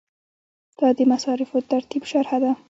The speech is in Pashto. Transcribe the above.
دا د مصارفو د ترتیب شرحه ده.